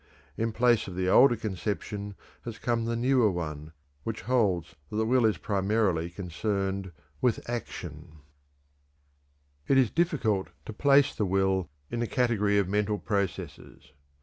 In the place of the older conception has come the newer one which holds that the will is primarily concerned with action. It is difficult to place the will in the category of mental processes.